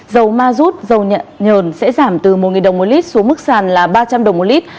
dầu ma rút dầu nhờn sẽ giảm từ một đồng một lít xuống mức sàn là ba trăm linh đồng một lít